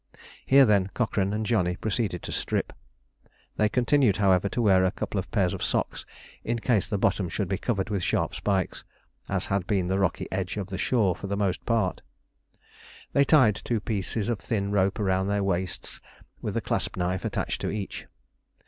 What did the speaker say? Here, then, Cochrane and Johnny proceeded to strip. They continued, however, to wear a couple of pairs of socks in case the bottom should be covered with sharp spikes, as had been the rocky edge of the shore for the most part. They tied two pieces of thin rope round their waists with a clasp knife attached to each.